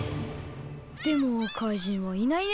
でも怪人はいないね。